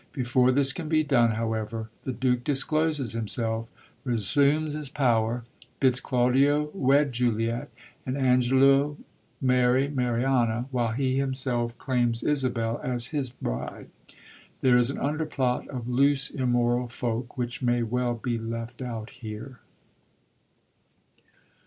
Before this can be done, however, the Duke discloses himself, resumes his power, bids Claudio wed Juliet and Angelo marry Mariana, while he himself claims Isabel as his bride. There is an underplot of loose, immoral folk, which may well be left out here.